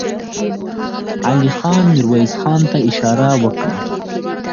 علی خان ميرويس خان ته اشاره وکړه.